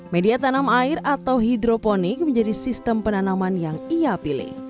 media tanam air atau hidroponik menjadi sistem penanaman yang ia pilih